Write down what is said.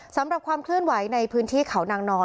สำหรับความคลื่นไหวในพื้นที่เขานางนอน